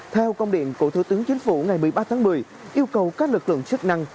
theo công điện của thủ tướng chính phủ ngày một mươi ba tháng một mươi yêu cầu các lực lượng chức năng